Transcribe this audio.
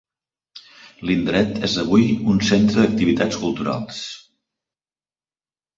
L’indret és avui un centre d’activitats culturals.